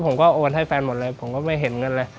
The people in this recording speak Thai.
ผมก็โอนให้แฟนหมดเลย